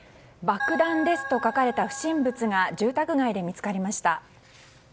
「爆弾です」と書かれた不審物が住宅街で見つかりました。